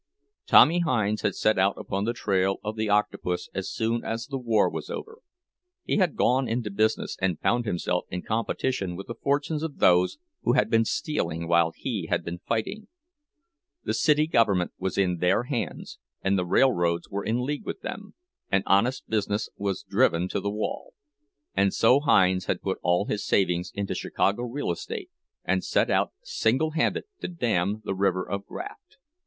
Tommy Hinds had set out upon the trail of the Octopus as soon as the war was over. He had gone into business, and found himself in competition with the fortunes of those who had been stealing while he had been fighting. The city government was in their hands and the railroads were in league with them, and honest business was driven to the wall; and so Hinds had put all his savings into Chicago real estate, and set out singlehanded to dam the river of graft.